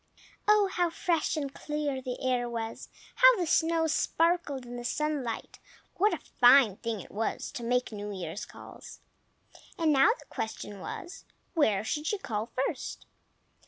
Oh, how fresh and clear the air was! How the snow sparkled in the sunlight! What a fine thing it was to make New Year's calls! And now the question was, where she should call first.